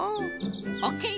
オッケー！